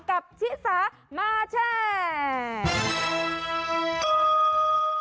กับชิ้นสมาชิก